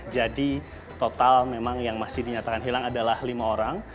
jadi total memang yang masih dinyatakan hilang adalah lima orang